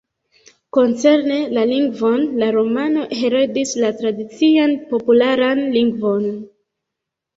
Koncerne la lingvon, la romano heredis la tradician popularan lingvon.